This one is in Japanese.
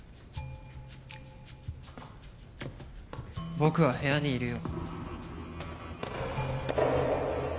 僕は部屋にいるよ。